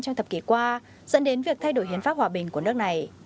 trong thập kỷ qua dẫn đến việc thay đổi hiến pháp hòa bình của nước này